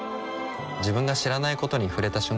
自分が知らないことに触れた瞬間